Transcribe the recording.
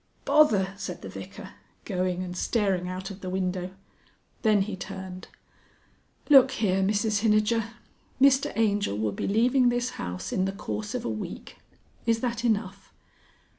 "Bother!" said the Vicar, going and staring out of the window. Then he turned. "Look here, Mrs Hinijer! Mr Angel will be leaving this house in the course of a week. Is that enough?"